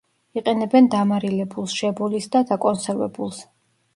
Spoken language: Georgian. იყენებენ დამარილებულს, შებოლილს და დაკონსერვებულს.